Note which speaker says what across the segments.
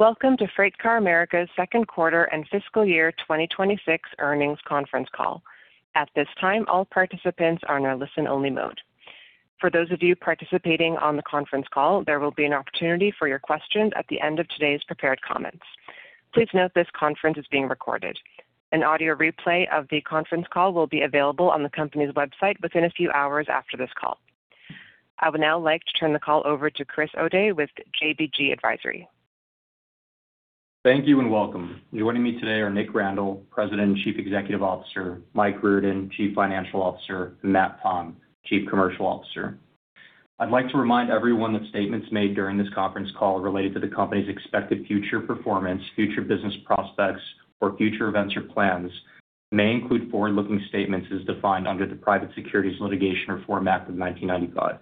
Speaker 1: Welcome to FreightCar America's second quarter and fiscal year 2026 earnings conference call. At this time, all participants are in a listen-only mode. For those of you participating on the conference call, there will be an opportunity for your questions at the end of today's prepared comments. Please note this conference is being recorded. An audio replay of the conference call will be available on the company's website within a few hours after this call. I would now like to turn the call over to Chris O'Dea with Riveron Investor Relations.
Speaker 2: Thank you and welcome. Joining me today are Nick Randall, President and Chief Executive Officer, Mike Riordan, Chief Financial Officer, and Matt Tonn, Chief Commercial Officer. I'd like to remind everyone that statements made during this conference call related to the company's expected future performance, future business prospects or future events or plans may include forward-looking statements as defined under the Private Securities Litigation Reform Act of 1995.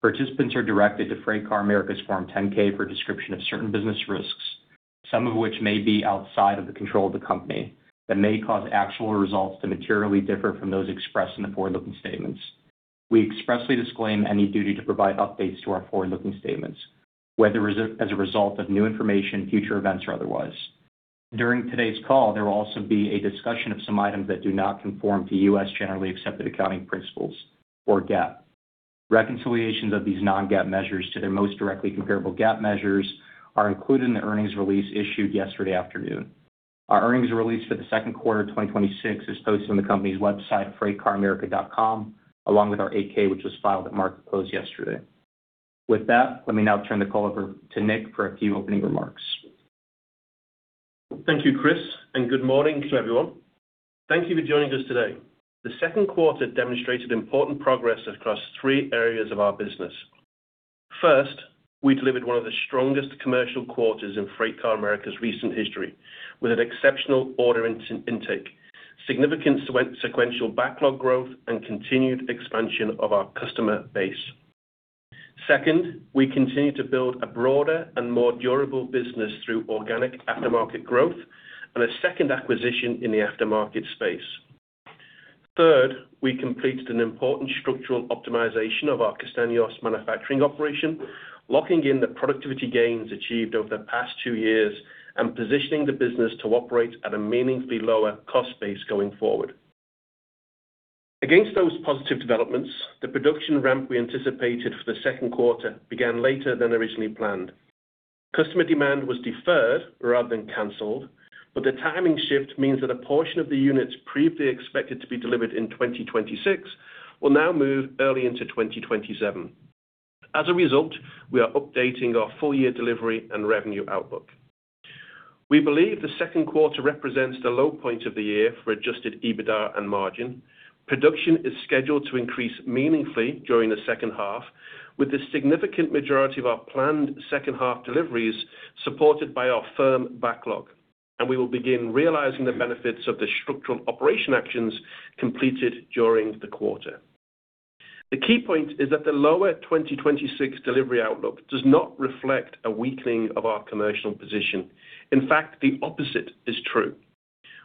Speaker 2: Participants are directed to FreightCar America's Form 10-K for a description of certain business risks, some of which may be outside of the control of the company, that may cause actual results to materially differ from those expressed in the forward-looking statements. We expressly disclaim any duty to provide updates to our forward-looking statements, whether as a result of new information, future events, or otherwise. During today's call, there will also be a discussion of some items that do not conform to U.S. generally accepted accounting principles, or GAAP. Reconciliations of these Non-GAAP measures to their most directly comparable GAAP measures are included in the earnings release issued yesterday afternoon. Our earnings release for the second quarter 2026 is posted on the company's website at freightcaramerica.com, along with our 8-K, which was filed at market close yesterday. With that, let me now turn the call over to Nick for a few opening remarks.
Speaker 3: Thank you, Chris, and good morning to everyone. Thank you for joining us today. The second quarter demonstrated important progress across three areas of our business. First, we delivered one of the strongest commercial quarters in FreightCar America's recent history, with an exceptional order intake, significant sequential backlog growth, and continued expansion of our customer base. Second, we continue to build a broader and more durable business through organic aftermarket growth and a second acquisition in the aftermarket space. Third, we completed an important structural optimization of our Castaños manufacturing operation, locking in the productivity gains achieved over the past two years and positioning the business to operate at a meaningfully lower cost base going forward. Against those positive developments, the production ramp we anticipated for the second quarter began later than originally planned. Customer demand was deferred rather than canceled, but the timing shift means that a portion of the units previously expected to be delivered in 2026 will now move early into 2027. As a result, we are updating our full-year delivery and revenue outlook. We believe the second quarter represents the low point of the year for adjusted EBITDA and margin. Production is scheduled to increase meaningfully during the second half, with the significant majority of our planned second-half deliveries supported by our firm backlog, and we will begin realizing the benefits of the structural operation actions completed during the quarter. The key point is that the lower 2026 delivery outlook does not reflect a weakening of our commercial position. In fact, the opposite is true.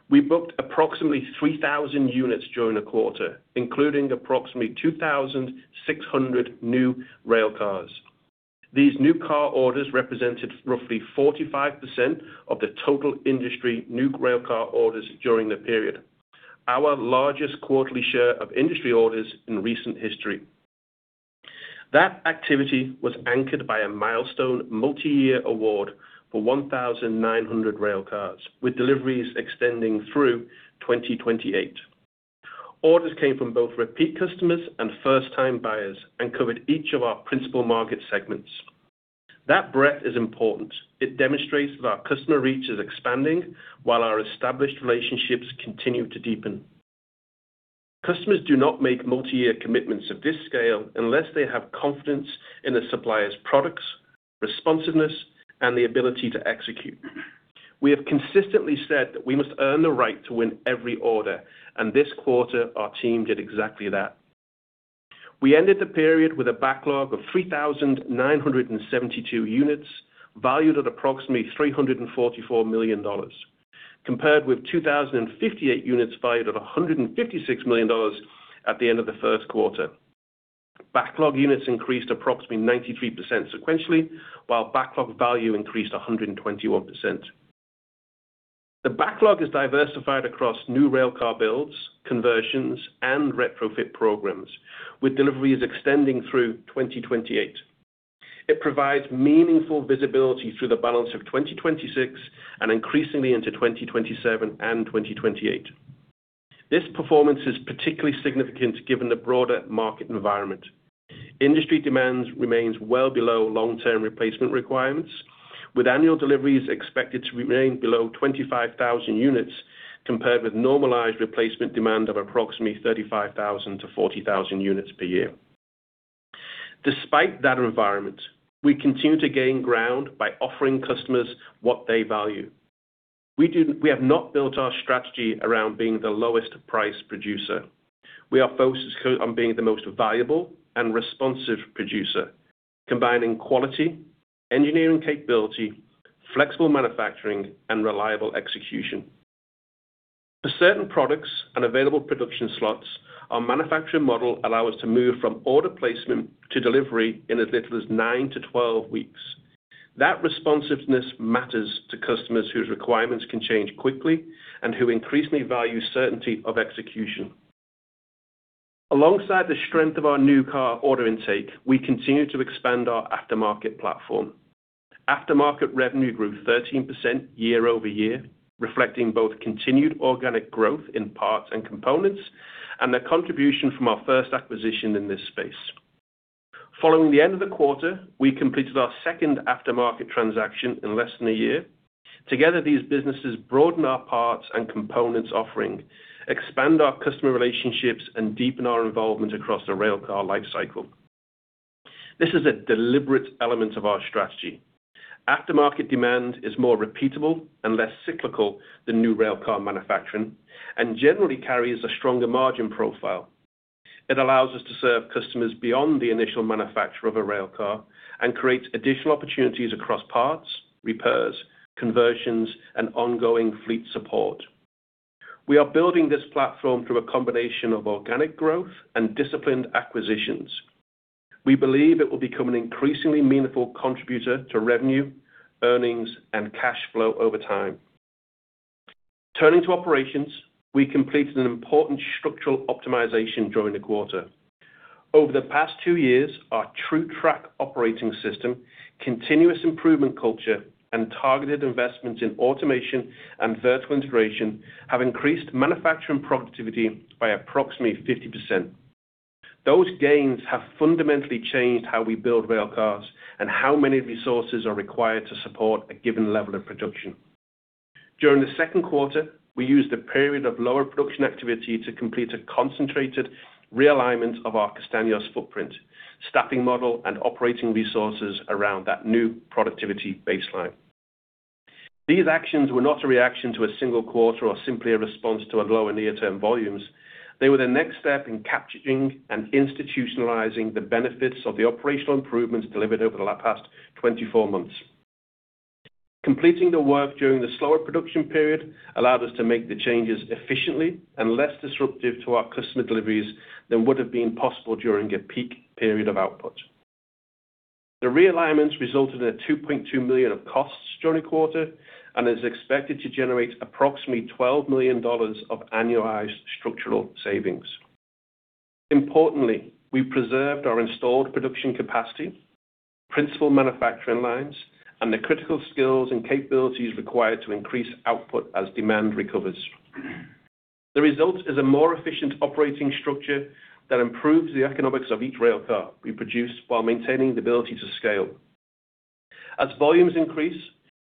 Speaker 3: We booked approximately 3,000 units during the quarter, including approximately 2,600 new railcars. These new car orders represented roughly 45% of the total industry new railcar orders during the period, our largest quarterly share of industry orders in recent history. That activity was anchored by a milestone multi-year award for 1,900 railcars, with deliveries extending through 2028. Orders came from both repeat customers and first-time buyers and covered each of our principal market segments. That breadth is important. It demonstrates that our customer reach is expanding while our established relationships continue to deepen. Customers do not make multi-year commitments of this scale unless they have confidence in the supplier's products, responsiveness, and the ability to execute. We have consistently said that we must earn the right to win every order, and this quarter our team did exactly that. We ended the period with a backlog of 3,972 units valued at approximately $344 million, compared with 2,058 units valued at $156 million at the end of the first quarter. Backlog units increased approximately 93% sequentially, while backlog value increased 121%. The backlog is diversified across new railcar builds, conversions, and retrofit programs, with deliveries extending through 2028. It provides meaningful visibility through the balance of 2026 and increasingly into 2027 and 2028. This performance is particularly significant given the broader market environment. Industry demand remains well below long-term replacement requirements, with annual deliveries expected to remain below 25,000 units, compared with normalized replacement demand of approximately 35,000 units-40,000 units per year. Despite that environment, we continue to gain ground by offering customers what they value. We have not built our strategy around being the lowest price producer. We are focused on being the most valuable and responsive producer, combining quality, engineering capability, flexible manufacturing, and reliable execution. For certain products and available production slots, our manufacturing model allows us to move from order placement to delivery in as little as 9 weeks-12 weeks. That responsiveness matters to customers whose requirements can change quickly and who increasingly value certainty of execution. Alongside the strength of our new car order intake, we continue to expand our aftermarket platform. Aftermarket revenue grew 13% year-over-year, reflecting both continued organic growth in parts and components and the contribution from our first acquisition in this space. Following the end of the quarter, we completed our second aftermarket transaction in less than a year. Together, these businesses broaden our parts and components offering, expand our customer relationships, and deepen our involvement across the railcar life cycle. This is a deliberate element of our strategy. Aftermarket demand is more repeatable and less cyclical than new railcar manufacturing and generally carries a stronger margin profile. It allows us to serve customers beyond the initial manufacture of a railcar and creates additional opportunities across parts, repairs, conversions, and ongoing fleet support. We are building this platform through a combination of organic growth and disciplined acquisitions. We believe it will become an increasingly meaningful contributor to revenue, earnings, and cash flow over time. Turning to operations, we completed an important structural optimization during the quarter. Over the past two years, our TruTrack operating system, continuous improvement culture, and targeted investments in automation and vertical integration have increased manufacturing productivity by approximately 50%. Those gains have fundamentally changed how we build railcars and how many resources are required to support a given level of production. During the second quarter, we used a period of lower production activity to complete a concentrated realignment of our Castaños footprint, staffing model, and operating resources around that new productivity baseline. These actions were not a reaction to a single quarter or simply a response to lower near-term volumes. They were the next step in capturing and institutionalizing the benefits of the operational improvements delivered over the past 24 months. Completing the work during the slower production period allowed us to make the changes efficiently and less disruptive to our customer deliveries than would have been possible during a peak period of output. The realignments resulted in $2.2 million of costs during the quarter and is expected to generate approximately $12 million of annualized structural savings. Importantly, we preserved our installed production capacity, principal manufacturing lines, and the critical skills and capabilities required to increase output as demand recovers. The result is a more efficient operating structure that improves the economics of each railcar we produce while maintaining the ability to scale. As volumes increase,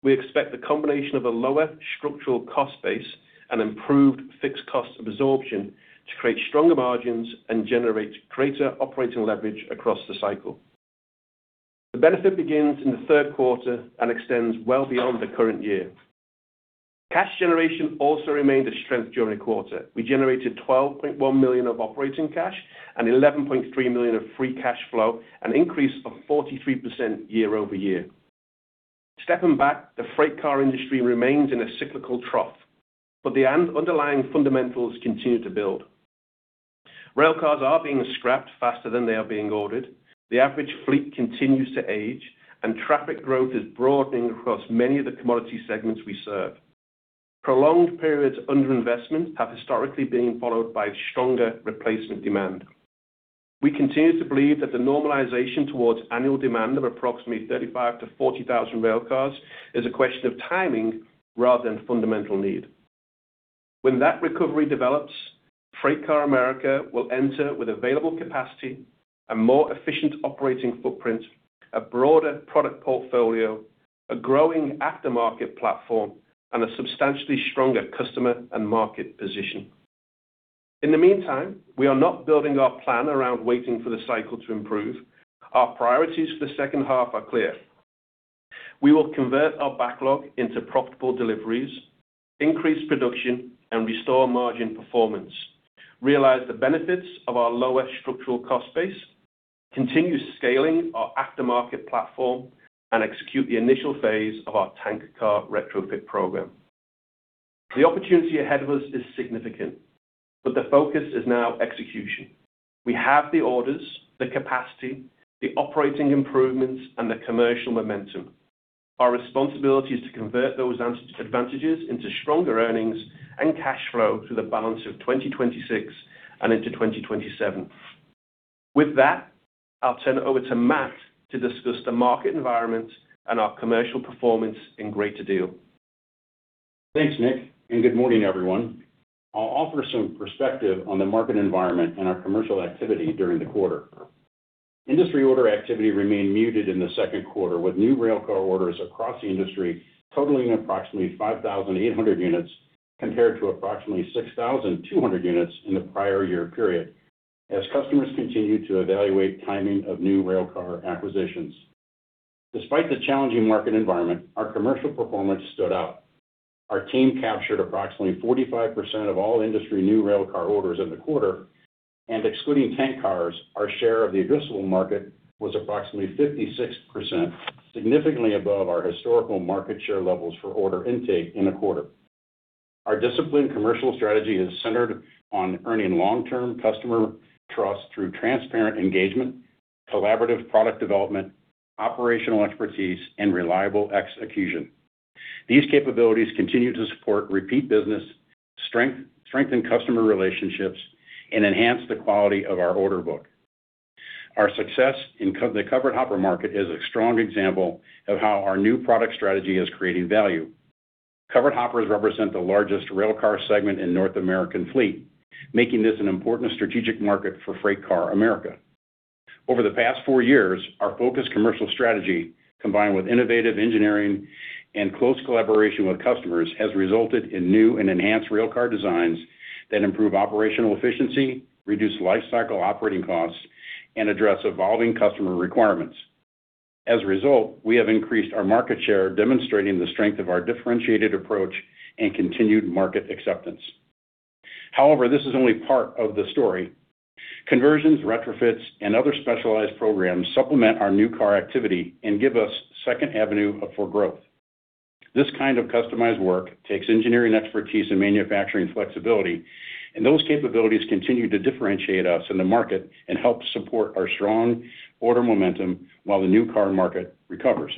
Speaker 3: we expect the combination of a lower structural cost base and improved fixed cost absorption to create stronger margins and generate greater operating leverage across the cycle. The benefit begins in the third quarter and extends well beyond the current year. Cash generation also remained a strength during the quarter. We generated $12.1 million of operating cash and $11.3 million of free cash flow, an increase of 43% year-over-year. Stepping back, the freight car industry remains in a cyclical trough, but the underlying fundamentals continue to build. Railcars are being scrapped faster than they are being ordered. The average fleet continues to age, and traffic growth is broadening across many of the commodity segments we serve. Prolonged periods of underinvestment have historically been followed by stronger replacement demand. We continue to believe that the normalization towards annual demand of approximately 35,000 railcars-40,000 railcars is a question of timing rather than fundamental need. When that recovery develops, FreightCar America will enter with available capacity, a more efficient operating footprint, a broader product portfolio, a growing aftermarket platform, and a substantially stronger customer and market position. In the meantime, we are not building our plan around waiting for the cycle to improve. Our priorities for the second half are clear. We will convert our backlog into profitable deliveries, increase production, and restore margin performance, realize the benefits of our lower structural cost base, continue scaling our aftermarket platform, and execute the initial phase of our tanker car retrofit program. The opportunity ahead of us is significant, but the focus is now execution. We have the orders, the capacity, the operating improvements, and the commercial momentum. Our responsibility is to convert those advantages into stronger earnings and cash flow through the balance of 2026 and into 2027. With that, I'll turn it over to Matt to discuss the market environment and our commercial performance in greater detail.
Speaker 4: Thanks, Nick, and good morning, everyone. I'll offer some perspective on the market environment and our commercial activity during the quarter. Industry order activity remained muted in the second quarter, with new railcar orders across the industry totaling approximately 5,800 units compared to approximately 6,200 units in the prior year period as customers continued to evaluate timing of new railcar acquisitions. Despite the challenging market environment, our commercial performance stood out. Our team captured approximately 45% of all industry new railcar orders in the quarter. Excluding tank cars, our share of the addressable market was approximately 56%, significantly above our historical market share levels for order intake in a quarter. Our disciplined commercial strategy is centered on earning long-term customer trust through transparent engagement, collaborative product development, operational expertise, and reliable execution. These capabilities continue to support repeat business, strengthen customer relationships, and enhance the quality of our order book. Our success in the covered hopper market is a strong example of how our new product strategy is creating value. Covered hoppers represent the largest rail car segment in North American fleet, making this an important strategic market for FreightCar America. Over the past four years, our focused commercial strategy, combined with innovative engineering and close collaboration with customers, has resulted in new and enhanced railcar designs that improve operational efficiency, reduce lifecycle operating costs, and address evolving customer requirements. As a result, we have increased our market share, demonstrating the strength of our differentiated approach and continued market acceptance. However, this is only part of the story. Conversions, retrofits, and other specialized programs supplement our new car activity and give us second avenue for growth. This kind of customized work takes engineering expertise and manufacturing flexibility. Those capabilities continue to differentiate us in the market and help support our strong order momentum while the new car market recovers.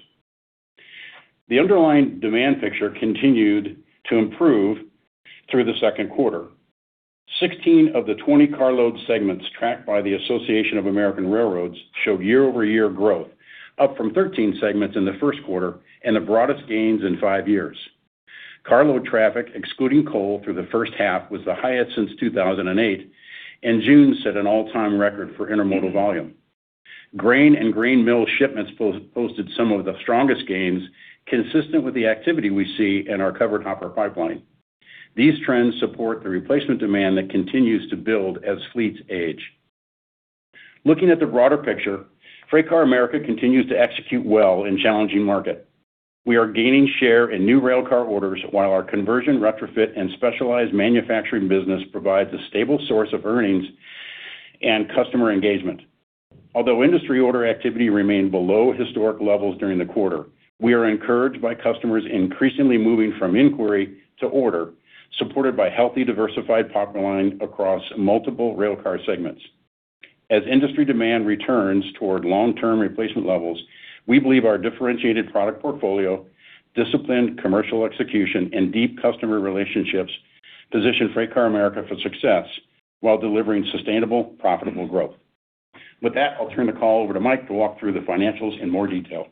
Speaker 4: The underlying demand picture continued to improve through the second quarter. 16 of the 20 carload segments tracked by the Association of American Railroads showed year-over-year growth, up from 13 segments in the first quarter and the broadest gains in five years. Carload traffic, excluding coal through the first half, was the highest since 2008, and June set an all-time record for intermodal volume. Grain and grain mill shipments posted some of the strongest gains consistent with the activity we see in our covered hopper pipeline. These trends support the replacement demand that continues to build as fleets age. Looking at the broader picture, FreightCar America continues to execute well in challenging market. We are gaining share in new railcar orders while our conversion retrofit and specialized manufacturing business provides a stable source of earnings and customer engagement. Although industry order activity remained below historic levels during the quarter, we are encouraged by customers increasingly moving from inquiry to order, supported by healthy, diversified pipeline across multiple railcar segments. As industry demand returns toward long-term replacement levels, we believe our differentiated product portfolio, disciplined commercial execution, and deep customer relationships position FreightCar America for success while delivering sustainable, profitable growth. With that, I'll turn the call over to Mike to walk through the financials in more detail.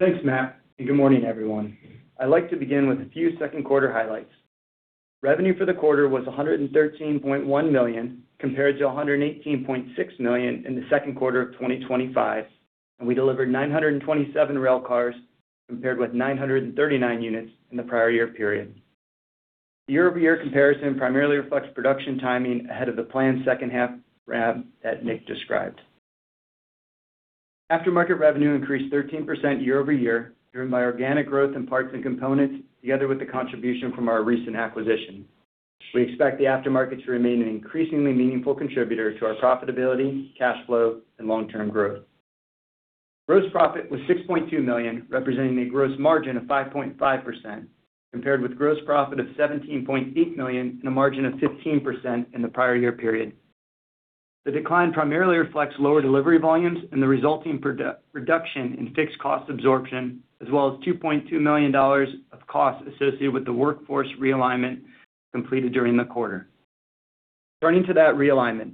Speaker 5: Thanks, Matt, and good morning, everyone. I'd like to begin with a few second quarter highlights. Revenue for the quarter was $113.1 million, compared to $118.6 million in the second quarter of 2025, and we delivered 927 railcars, compared with 939 units in the prior year period. The year-over-year comparison primarily reflects production timing ahead of the planned second half ramp that Nick described. Aftermarket revenue increased 13% year-over-year, driven by organic growth in parts and components, together with the contribution from our recent acquisition. We expect the aftermarket to remain an increasingly meaningful contributor to our profitability, cash flow, and long-term growth. Gross profit was $6.2 million, representing a gross margin of 5.5%, compared with gross profit of $17.8 million and a margin of 15% in the prior year period. The decline primarily reflects lower delivery volumes and the resulting reduction in fixed cost absorption, as well as $2.2 million of costs associated with the workforce realignment completed during the quarter. Turning to that realignment,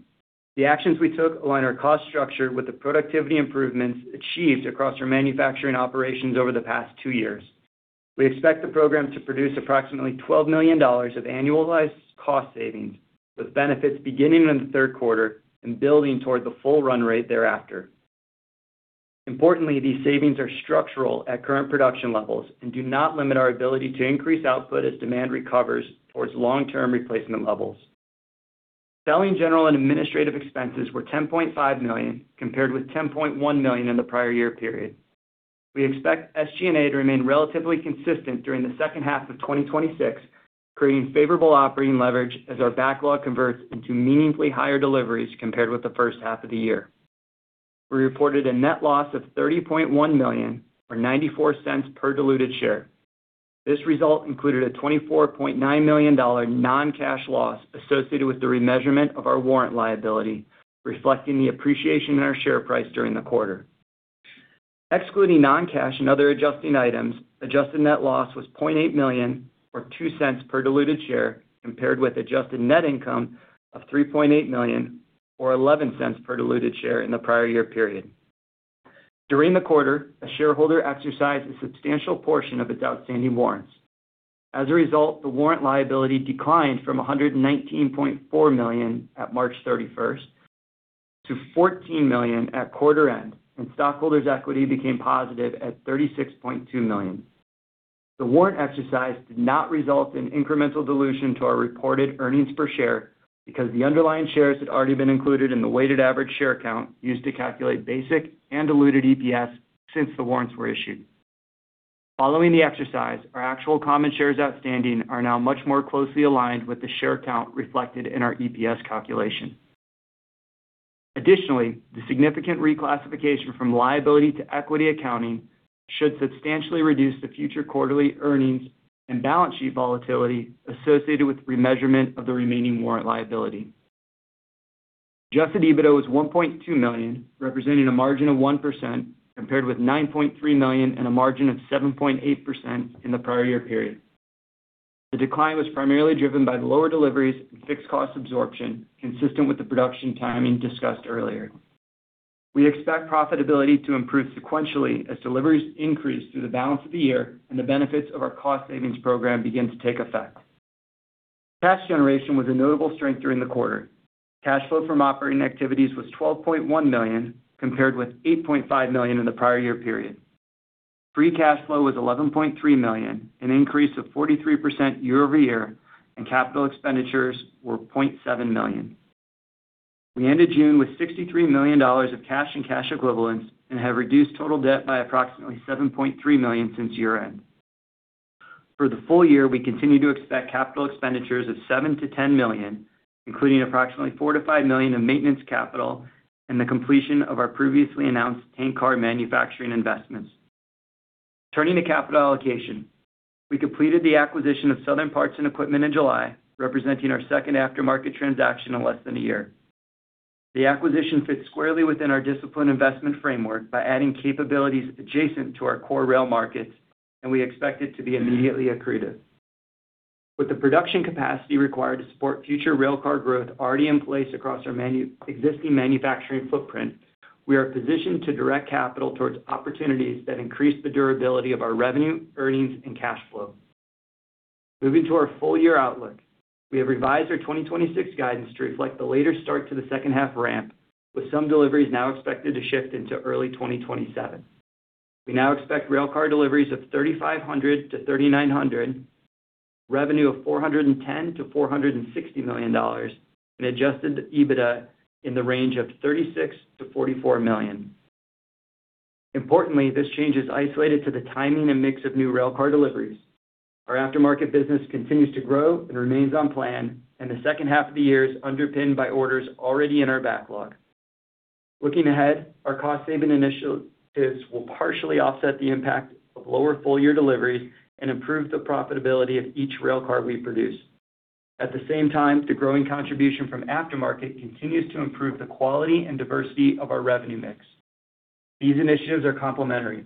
Speaker 5: the actions we took align our cost structure with the productivity improvements achieved across our manufacturing operations over the past two years. We expect the program to produce approximately $12 million of annualized cost savings, with benefits beginning in the third quarter and building toward the full run rate thereafter. Importantly, these savings are structural at current production levels and do not limit our ability to increase output as demand recovers towards long-term replacement levels. Selling, general, and administrative expenses were $10.5 million, compared with $10.1 million in the prior year period. We expect SG&A to remain relatively consistent during the second half of 2026, creating favorable operating leverage as our backlog converts into meaningfully higher deliveries compared with the first half of the year. We reported a net loss of $30.1 million, or $0.94 per diluted share. This result included a $24.9 million non-cash loss associated with the remeasurement of our warrant liability, reflecting the appreciation in our share price during the quarter. Excluding non-cash and other adjusting items, adjusted net loss was $0.8 million or $0.02 per diluted share, compared with adjusted net income of $3.8 million or $0.11 per diluted share in the prior year period. During the quarter, a shareholder exercised a substantial portion of its outstanding warrants. As a result, the warrant liability declined from $119.4 million at March 31st to $14 million at quarter end, and stockholders' equity became positive at $36.2 million. The warrant exercise did not result in incremental dilution to our reported EPS because the underlying shares had already been included in the weighted average share count used to calculate basic and diluted EPS since the warrants were issued. Following the exercise, our actual common shares outstanding are now much more closely aligned with the share count reflected in our EPS calculation. Additionally, the significant reclassification from liability to equity accounting should substantially reduce the future quarterly earnings and balance sheet volatility associated with remeasurement of the remaining warrant liability. adjusted EBITDA was $1.2 million, representing a margin of 1%, compared with $9.3 million and a margin of 7.8% in the prior year period. The decline was primarily driven by the lower deliveries and fixed cost absorption consistent with the production timing discussed earlier. We expect profitability to improve sequentially as deliveries increase through the balance of the year and the benefits of our cost savings program begin to take effect. Cash generation was a notable strength during the quarter. Cash flow from operating activities was $12.1 million, compared with $8.5 million in the prior year period. Free cash flow was $11.3 million, an increase of 43% year-over-year, and capital expenditures were $0.7 million. We ended June with $63 million of cash and cash equivalents and have reduced total debt by approximately $7.3 million since year-end. For the full year, we continue to expect capital expenditures of $7 million-$10 million, including approximately $4 million-$5 million of maintenance capital and the completion of our previously announced tank car manufacturing investments. Turning to capital allocation, we completed the acquisition of Southern Parts & Equipment in July, representing our second aftermarket transaction in less than a year. The acquisition fits squarely within our disciplined investment framework by adding capabilities adjacent to our core rail markets, and we expect it to be immediately accretive. With the production capacity required to support future rail car growth already in place across our existing manufacturing footprint, we are positioned to direct capital towards opportunities that increase the durability of our revenue, earnings, and cash flow. Moving to our full year outlook, we have revised our 2026 guidance to reflect the later start to the second half ramp, with some deliveries now expected to shift into early 2027. We now expect rail car deliveries of 3,500-3,900, revenue of $410 million-$460 million, and adjusted EBITDA in the range of $36 million-$44 million. Importantly, this change is isolated to the timing and mix of new rail car deliveries. Our aftermarket business continues to grow and remains on plan, and the second half of the year is underpinned by orders already in our backlog. Looking ahead, our cost-saving initiatives will partially offset the impact of lower full-year deliveries and improve the profitability of each rail car we produce. At the same time, the growing contribution from Aftermarket continues to improve the quality and diversity of our revenue mix. These initiatives are complementary.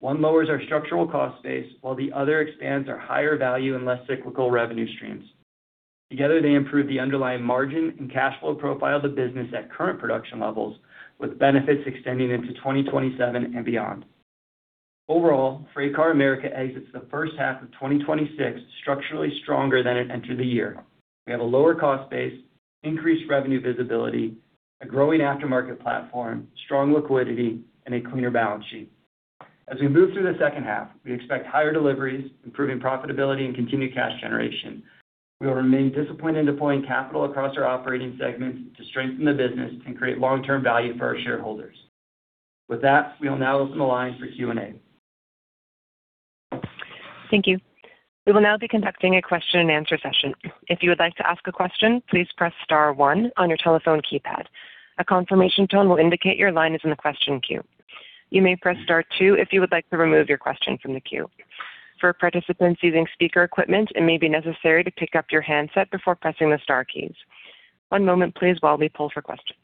Speaker 5: One lowers our structural cost base, while the other expands our higher value and less cyclical revenue streams. Together, they improve the underlying margin and cash flow profile of the business at current production levels, with benefits extending into 2027 and beyond. Overall, FreightCar America exits the first half of 2026 structurally stronger than it entered the year. We have a lower cost base, increased revenue visibility, a growing aftermarket platform, strong liquidity, and a cleaner balance sheet. As we move through the second half, we expect higher deliveries, improving profitability, and continued cash generation. We will remain disciplined in deploying capital across our operating segments to strengthen the business and create long-term value for our shareholders. With that, we will now open the line for question-and-answer.
Speaker 1: Thank you. We will now be conducting a question-and-answer session. If you would like to ask a question, please press star one on your telephone keypad. A confirmation tone will indicate your line is in the question queue. You may press star two if you would like to remove your question from the queue. For participants using speaker equipment, it may be necessary to pick up your handset before pressing the star keys. One moment, please, while we pull for questions.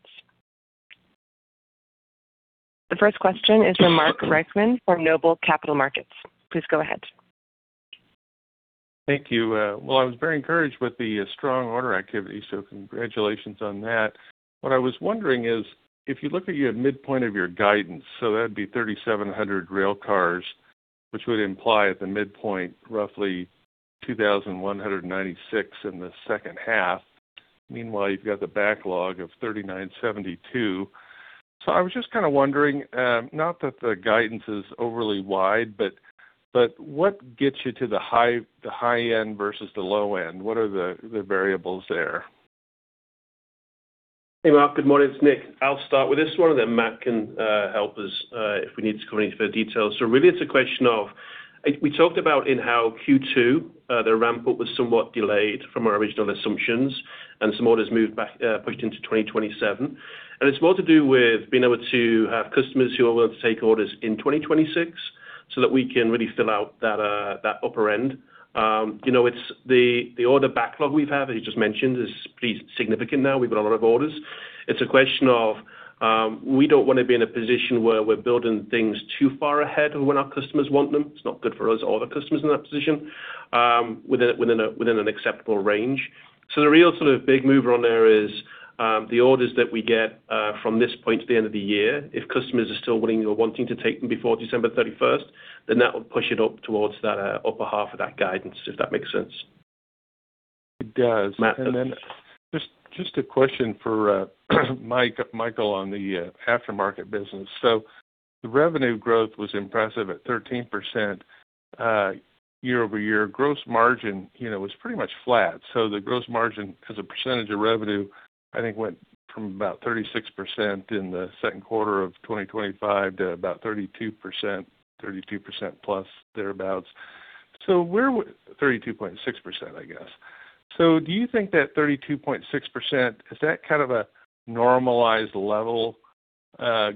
Speaker 1: The first question is from Mark Reichman for Noble Capital Markets. Please go ahead.
Speaker 6: Thank you. I was very encouraged with the strong order activity, congratulations on that. What I was wondering is, if you look at your midpoint of your guidance, that'd be 3,700 rail cars, which would imply at the midpoint roughly 2,196 rail cars in the second half. Meanwhile, you've got the backlog of 3,972 rail cars. I was just kind of wondering, not that the guidance is overly wide, but what gets you to the high end versus the low end? What are the variables there?
Speaker 3: Hey, Mark, good morning. It's Nick. I'll start with this one, and then Matt can help us if we need to go into any further details. Really, it's a question of, we talked about in how Q2, the ramp-up was somewhat delayed from our original assumptions, some orders moved back, pushed into 2027. It's more to do with being able to have customers who are willing to take orders in 2026 so that we can really fill out that upper end. The order backlog we've had, as you just mentioned, is pretty significant now. We've got a lot of orders. It's a question of, we don't want to be in a position where we're building things too far ahead of when our customers want them. It's not good for us or the customers in that position within an acceptable range.
Speaker 5: The real sort of big mover on there is the orders that we get from this point to the end of the year. If customers are still willing or wanting to take them before December 31st, then that would push it up towards that upper half of that guidance, if that makes sense.
Speaker 6: It does. Just a question for Mike on the aftermarket business. The revenue growth was impressive at 13%. Year-over-year gross margin was pretty much flat. The gross margin as a percentage of revenue, I think went from about 36% in the second quarter of 2025 to about 32%+ thereabouts. 32.6%, I guess. Do you think that 32.6%, is that kind of a normalized level,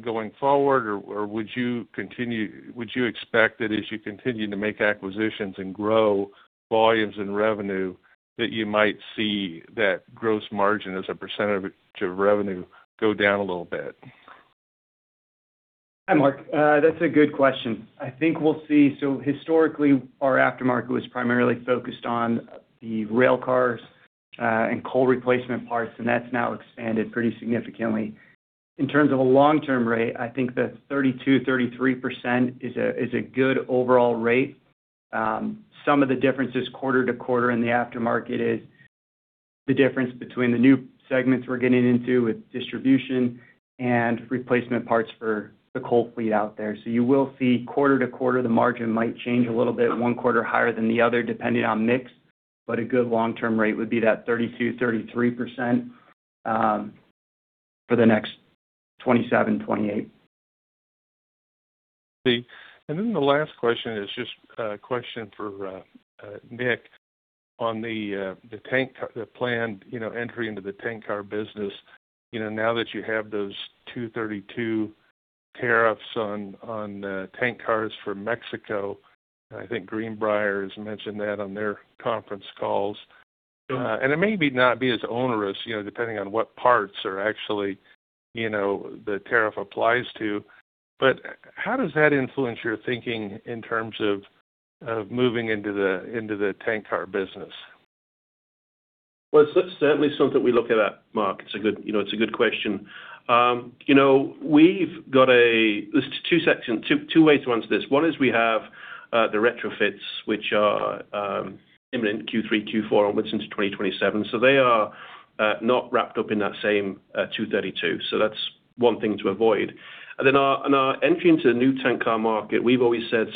Speaker 6: going forward or would you expect that as you continue to make acquisitions and grow volumes and revenue, that you might see that gross margin as a percentage of revenue go down a little bit?
Speaker 5: Hi, Mark. That's a good question. I think we'll see. Historically, our aftermarket was primarily focused on the railcars and coal replacement parts, and that's now expanded pretty significantly. In terms of a long-term rate, I think the 32%-33% is a good overall rate. Some of the differences quarter-to-quarter in the aftermarket is the difference between the new segments we're getting into with distribution and replacement parts for the coal fleet out there. You will see quarter-to-quarter, the margin might change a little bit, one quarter higher than the other depending on mix, but a good long-term rate would be that 32%-33% for the next 2027, 2028.
Speaker 6: The last question is just a question for Nick on the planned entry into the tank car business. Now that you have those 232 tariffs on tank cars for Mexico, I think Greenbrier has mentioned that on their conference calls. It may not be as onerous depending on what parts are actually the tariff applies to, how does that influence your thinking in terms of moving into the tank car business?
Speaker 3: Well, it's certainly something we look at, Mark. It's a good question. There's two ways to answer this. One is we have the retrofits which are imminent Q3, Q4, and what's into 2027. They are not wrapped up in that same 232 tariffs. That's one thing to avoid. On our entry into the new tank car market, we've always said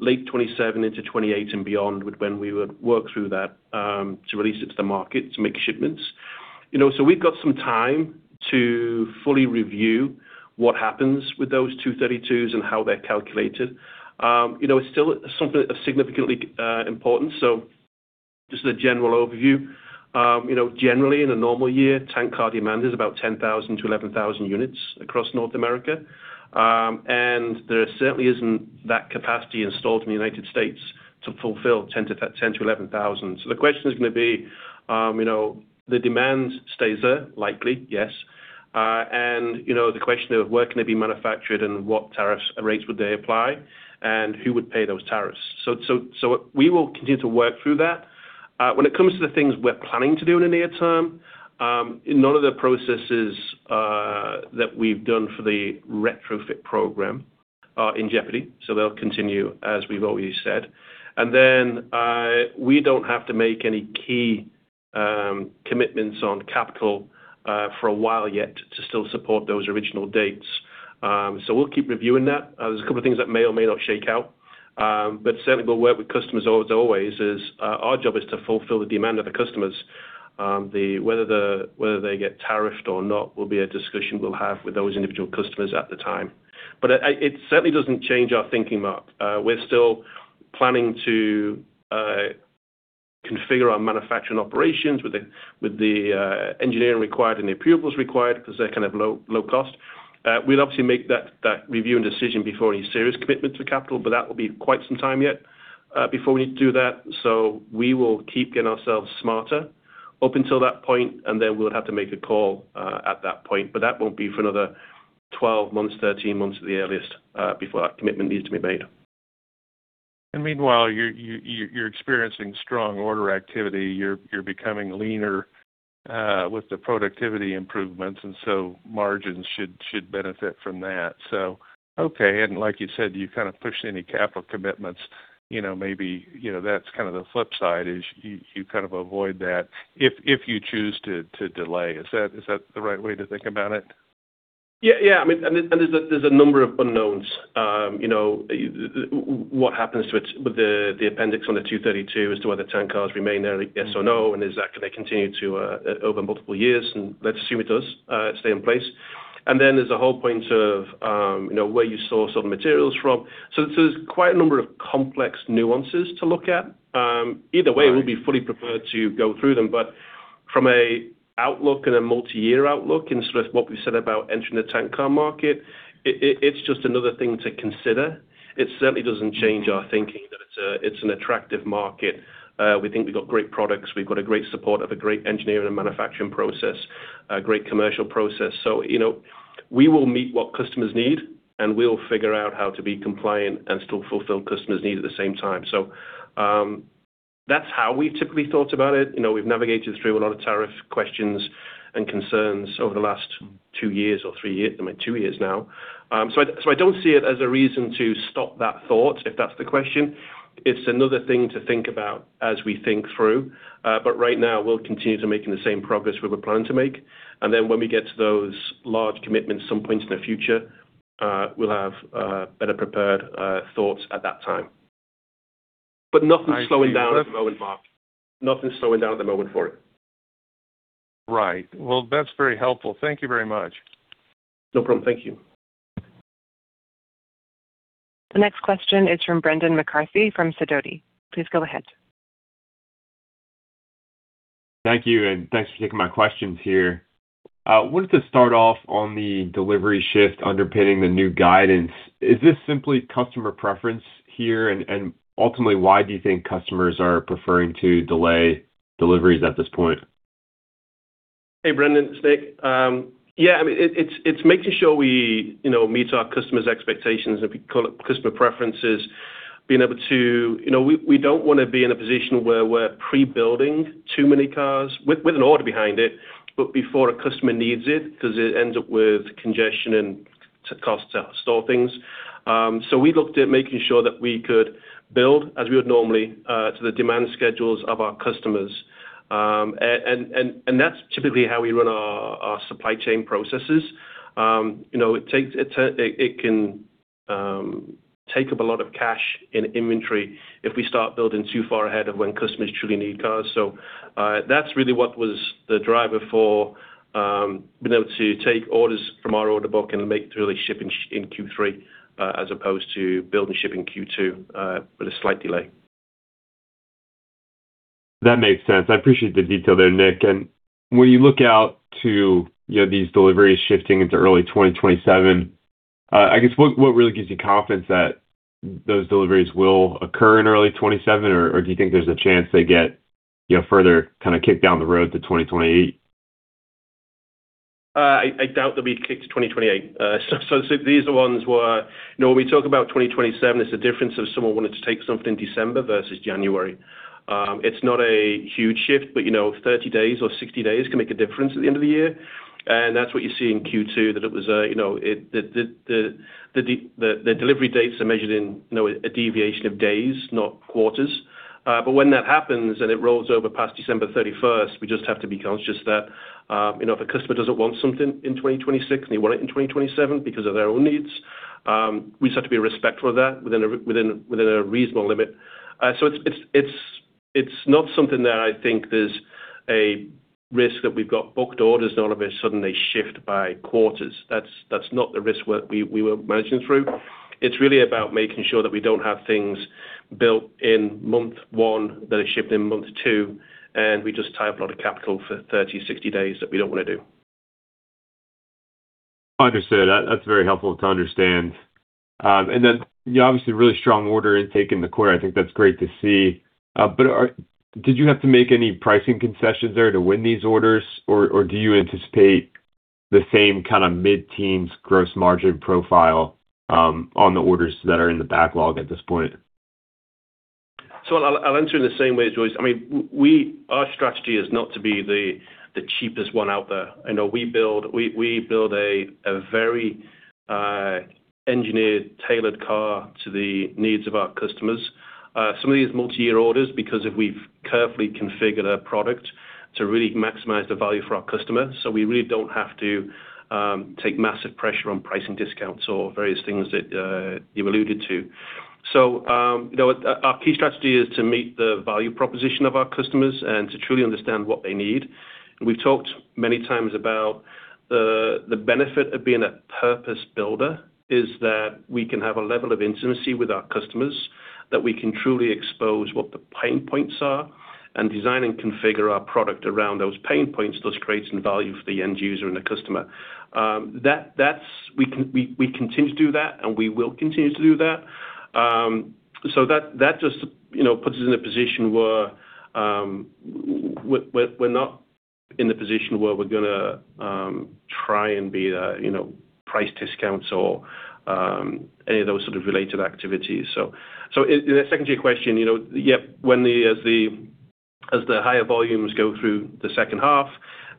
Speaker 3: late 2027 into 2028 and beyond when we would work through that to release it to the market to make shipments. We've got some time to fully review what happens with those 232 tariffs and how they're calculated. It's still something of significant importance. Just as a general overview, generally in a normal year, tank car demand is about 10,000 units-11,000 units across North America. There certainly isn't that capacity installed in the United States to fulfill 10,000 units-11,000 units. The question is going to be, the demand stays there, likely, yes. The question of where can they be manufactured and what tariffs rates would they apply, and who would pay those tariffs. We will continue to work through that. When it comes to the things we're planning to do in the near term, none of the processes that we've done for the retrofit program are in jeopardy. They'll continue as we've always said. We don't have to make any key commitments on capital for a while yet to still support those original dates. We'll keep reviewing that. There's a couple of things that may or may not shake out. Certainly we'll work with customers as always, as our job is to fulfill the demand of the customers. Whether they get tariffed or not will be a discussion we'll have with those individual customers at the time. It certainly doesn't change our thinking, Mark. We're still planning to configure our manufacturing operations with the engineering required and the approvals required because they're low cost. We'll obviously make that review and decision before any serious commitment to capital, that will be quite some time yet before we need to do that. We will keep getting ourselves smarter up until that point, we'll have to make a call at that point. That won't be for another 12 months, 13 months at the earliest before that commitment needs to be made.
Speaker 6: Meanwhile, you're experiencing strong order activity. You're becoming leaner with the productivity improvements. Margins should benefit from that. Okay. Like you said, you pushed any capital commitments, maybe, that's the flip side is you avoid that if you choose to delay. Is that the right way to think about it?
Speaker 3: There's a number of unknowns. What happens with the appendix on the 232 tariffs as to whether tank cars remain there, yes or no, and can they continue to open multiple years? Let's assume it does stay in place. Then there's a whole point of where you source all the materials from. There's quite a number of complex nuances to look at. Either way, we'll be fully prepared to go through them. From an outlook and a multi-year outlook in sort of what we said about entering the tank car market, it's just another thing to consider. It certainly doesn't change our thinking that it's an attractive market. We think we've got great products. We've got great support of a great engineering and manufacturing process, a great commercial process. We will meet what customers need, and we'll figure out how to be compliant and still fulfill customers' needs at the same time. That's how we typically thought about it. We've navigated through a lot of tariff questions and concerns over the last two years now. I don't see it as a reason to stop that thought, if that's the question. It's another thing to think about as we think through. Right now, we'll continue to making the same progress we were planning to make. Then when we get to those large commitments some point in the future, we'll have better prepared thoughts at that time. Nothing slowing down at the moment for it.
Speaker 6: Right. Well, that's very helpful. Thank you very much.
Speaker 3: No problem. Thank you.
Speaker 1: The next question is from Brendan McCarthy from Sidoti & Company. Please go ahead.
Speaker 7: Thank you. Thanks for taking my questions here. I wanted to start off on the delivery shift underpinning the new guidance. Is this simply customer preference here, and ultimately, why do you think customers are preferring to delay deliveries at this point?
Speaker 3: Hey, Brendan. Nick. Yeah, it's making sure we meet our customers' expectations, if we call it customer preferences. We don't want to be in a position where we're pre-building too many cars with an order behind it, but before a customer needs it, because it ends up with congestion and costs our stoppings. We looked at making sure that we could build as we would normally to the demand schedules of our customers. That's typically how we run our supply chain processes. It can take up a lot of cash in inventory if we start building too far ahead of when customers truly need cars. That's really what was the driver for being able to take orders from our order book and make truly ship in Q3 as opposed to build and ship in Q2 with a slight delay.
Speaker 7: That makes sense. I appreciate the detail there, Nick. When you look out to these deliveries shifting into early 2027, I guess what really gives you confidence that those deliveries will occur in early 2027, or do you think there's a chance they get further kind of kicked down the road to 2028?
Speaker 3: I doubt they'll be kicked to 2028. These are ones where when we talk about 2027, it's the difference of someone wanting to take something December versus January. It's not a huge shift, but 30 days or 60 days can make a difference at the end of the year, and that's what you see in Q2, that the delivery dates are measured in a deviation of days, not quarters. When that happens and it rolls over past December 31st, we just have to be conscious that if a customer doesn't want something in 2026 and they want it in 2027 because of their own needs, we just have to be respectful of that within a reasonable limit. It's not something that I think there's a risk that we've got booked orders and all of a sudden they shift by quarters. That's not the risk we were managing through. It's really about making sure that we don't have things built in month one that are shipped in month two, and we just tie up a lot of capital for 30 days, 60 days that we don't want to do.
Speaker 7: Understood. That's very helpful to understand. Obviously really strong order intake in the quarter. I think that's great to see. Did you have to make any pricing concessions there to win these orders, or do you anticipate the same kind of mid-teens gross margin profile on the orders that are in the backlog at this point?
Speaker 3: I'll answer in the same way. Our strategy is not to be the cheapest one out there. We build a very engineered, tailored car to the needs of our customers. Some of these multi-year orders, because if we've carefully configured a product to really maximize the value for our customer, we really don't have to take massive pressure on pricing discounts or various things that you've alluded to. Our key strategy is to meet the value proposition of our customers and to truly understand what they need. We've talked many times about the benefit of being a purpose builder is that we can have a level of intimacy with our customers, that we can truly expose what the pain points are and design and configure our product around those pain points, thus creating value for the end user and the customer. We continue to do that, and we will continue to do that. That just puts us in a position where we're not in the position where we're going to try and be the price discounts or any of those sort of related activities. To second your question, as the higher volumes go through the second half,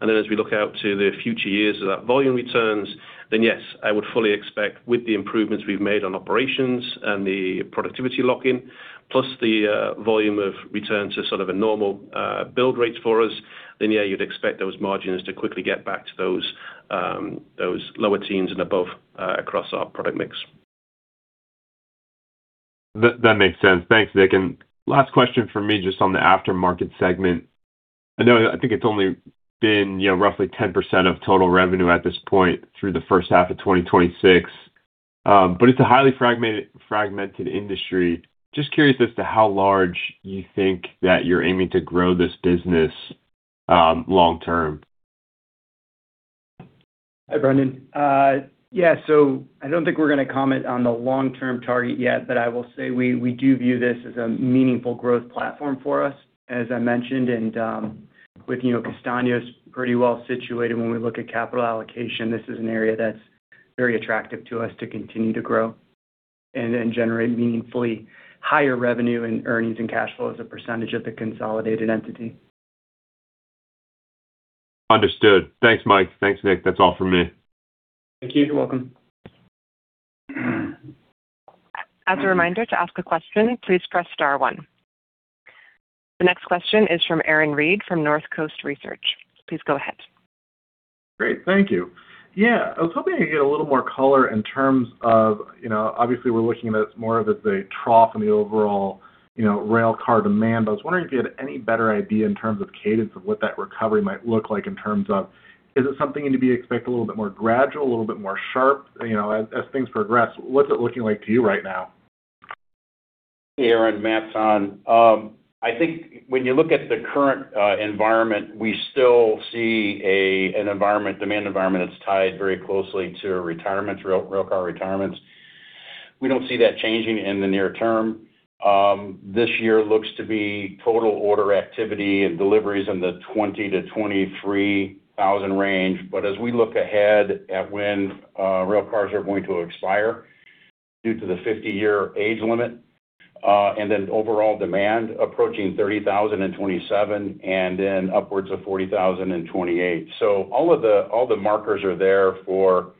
Speaker 3: as we look out to the future years of that volume returns, yes, I would fully expect with the improvements we've made on operations and the productivity lock-in, plus the volume of return to sort of a normal build rates for us, yeah, you'd expect those margins to quickly get back to those lower teens and above across our product mix.
Speaker 7: That makes sense. Thanks, Nick. Last question from me, just on the aftermarket segment. I know I think it's only been roughly 10% of total revenue at this point through the first half of 2026, it's a highly fragmented industry. Just curious as to how large you think that you're aiming to grow this business long term.
Speaker 5: Hi, Brendan. Yeah. I don't think we're going to comment on the long-term target yet, but I will say we do view this as a meaningful growth platform for us, as I mentioned, and with Castaños pretty well situated when we look at capital allocation. This is an area that's very attractive to us to continue to grow and then generate meaningfully higher revenue and earnings and cash flow as a percentage of the consolidated entity.
Speaker 7: Understood. Thanks, Mike. Thanks, Nick. That's all from me.
Speaker 3: Thank you.
Speaker 1: As a reminder to ask a question, please press star one. The next question is from Aaron Reed from Northcoast Research Partners. Please go ahead.
Speaker 8: Great. Thank you. Yeah, I was hoping to get a little more color in terms of, obviously we're looking at this more of as a trough in the overall railcar demand. I was wondering if you had any better idea in terms of cadence of what that recovery might look like in terms of, is it something to be expected a little bit more gradual, a little bit more sharp? Things progress, what's it looking like to you right now?
Speaker 4: Aaron, Matt Tonn. I think when you look at the current environment, we still see a demand environment that's tied very closely to retirements, railcar retirements. We don't see that changing in the near term. This year looks to be total order activity and deliveries in the 20,000-23,000 range. As we look ahead at when railcars are going to expire due to the 50-year age limit, then overall demand approaching 30,000 railcars in 2027 and then upwards of 40,000 railcars in 2028. All the markers are there for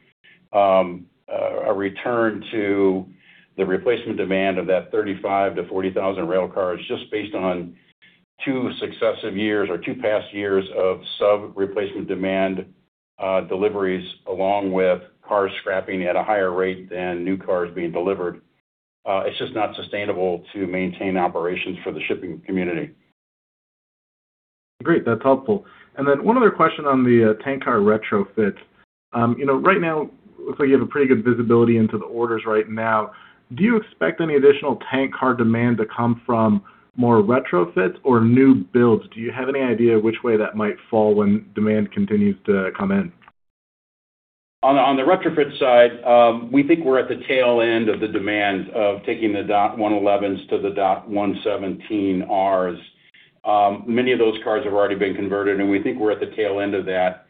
Speaker 4: a return to the replacement demand of that 35,000 railcars-40,000 railcars, just based on two successive years or two past years of sub-replacement demand deliveries, along with cars scrapping at a higher rate than new cars being delivered. It's just not sustainable to maintain operations for the shipping community.
Speaker 8: Great. That's helpful. One other question on the tank car retrofit. Right now, looks like you have a pretty good visibility into the orders right now. Do you expect any additional tank car demand to come from more retrofits or new builds? Do you have any idea which way that might fall when demand continues to come in?
Speaker 4: On the retrofit side, we think we're at the tail end of the demand of taking the DOT-111s to the DOT-117Rs. Many of those cars have already been converted, and we think we're at the tail end of that.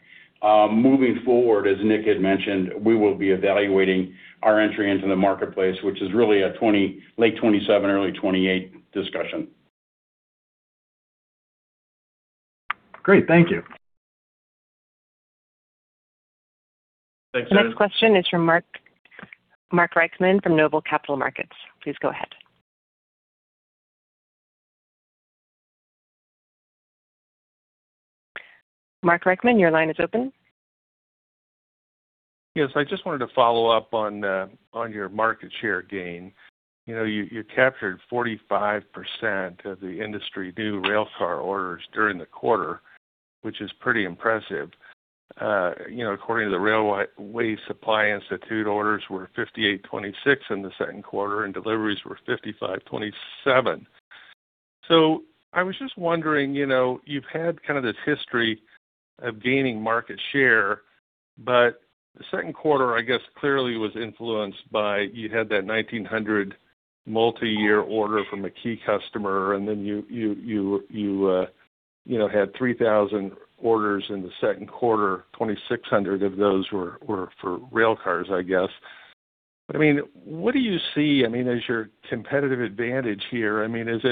Speaker 4: Moving forward, as Nick had mentioned, we will be evaluating our entry into the marketplace, which is really a late 2027, early 2028 discussion.
Speaker 8: Great. Thank you.
Speaker 4: Thanks, Aaron.
Speaker 1: The next question is from Mark Reichman from Noble Capital Markets. Please go ahead. Mark Reichman, your line is open.
Speaker 6: I just wanted to follow up on your market share gain. You captured 45% of the industry new railcar orders during the quarter, which is pretty impressive. According to the Railway Supply Institute, orders were 5,826 in the second quarter, and deliveries were 5,527. I was just wondering, you've had kind of this history of gaining market share, but the second quarter, I guess, clearly was influenced by, you'd had that 1,900 multi-year order from a key customer, and then you had 3,000 orders in the second quarter, 2,600 of those were for railcars, I guess. I mean, what do you see as your competitive advantage here? Was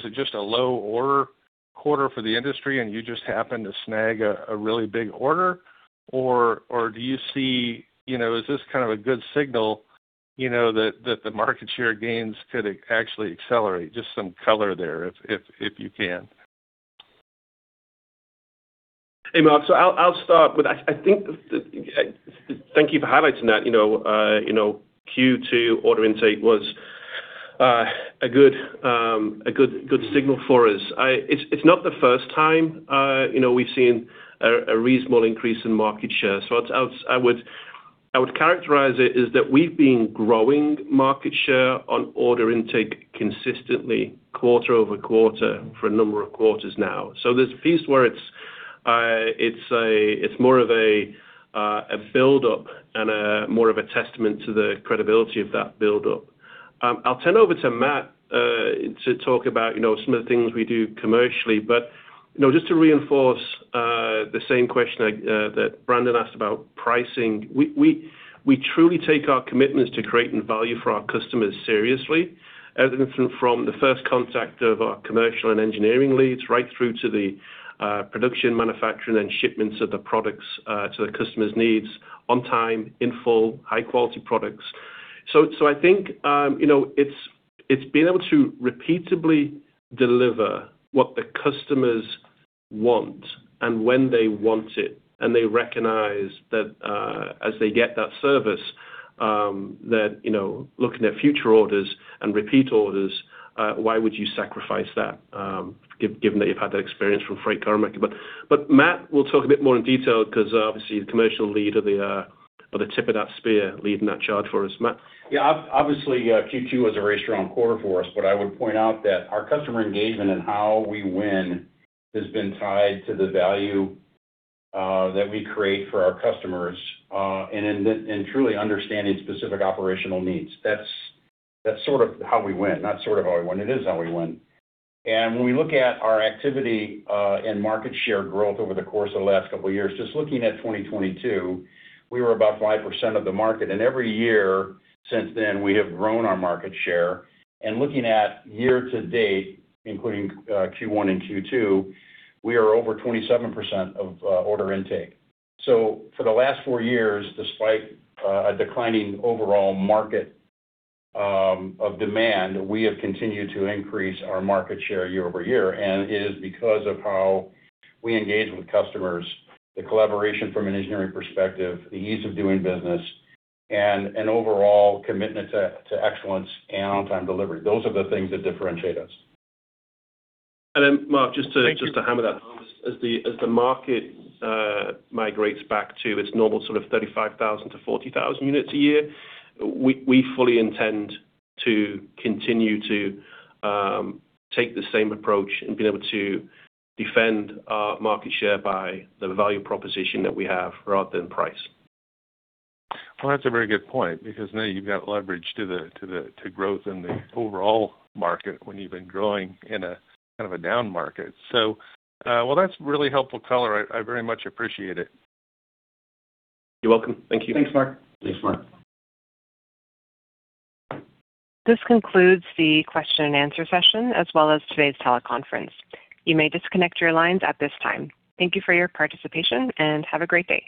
Speaker 6: it just a low order quarter for the industry and you just happened to snag a really big order? Or is this kind of a good signal that the market share gains could actually accelerate? Just some color there, if you can.
Speaker 3: Hey, Mark. I'll start. Thank you for highlighting that. Q2 order intake was a good signal for us. It's not the first time we've seen a reasonable increase in market share. I would characterize it is that we've been growing market share on order intake consistently quarter-over-quarter for a number of quarters now. There's a piece where it's more of a build-up and more of a testament to the credibility of that build-up. I'll turn over to Matt to talk about some of the things we do commercially. Just to reinforce the same question that Brendan asked about pricing. We truly take our commitments to creating value for our customers seriously, evident from the first contact of our commercial and engineering leads right through to the production, manufacturing, and shipments of the products to the customer's needs on time, in full, high-quality products. I think it's being able to repeatably deliver what the customers want and when they want it, and they recognize that as they get that service, that look in their future orders and repeat orders, why would you sacrifice that given that you've had that experience from FreightCar America? Matt will talk a bit more in detail because obviously, the commercial lead are the tip of that spear leading that charge for us. Matt?
Speaker 4: Obviously, Q2 was a very strong quarter for us, but I would point out that our customer engagement and how we win has been tied to the value that we create for our customers, and truly understanding specific operational needs. That's sort of how we win. Not sort of how we win, it is how we win. When we look at our activity and market share growth over the course of the last couple of years, just looking at 2022, we were about 5% of the market, and every year since then, we have grown our market share. Looking at year to date, including Q1 and Q2, we are over 27% of order intake. For the last four years, despite a declining overall market of demand, we have continued to increase our market share year-over-year, and it is because of how we engage with customers, the collaboration from an engineering perspective, the ease of doing business, and an overall commitment to excellence and on-time delivery. Those are the things that differentiate us.
Speaker 3: Mark, just to hammer that home. As the market migrates back to its normal sort of 35,000 units-40,000 units a year, we fully intend to continue to take the same approach and be able to defend our market share by the value proposition that we have rather than price.
Speaker 6: Well, that's a very good point because now you've got leverage to growth in the overall market when you've been growing in a kind of a down market. Well, that's really helpful color. I very much appreciate it.
Speaker 3: You're welcome. Thank you.
Speaker 1: This concludes the question and answer session as well as today's teleconference. You may disconnect your lines at this time. Thank you for your participation and have a great day.